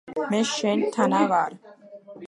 მე შენ თანა ვარ.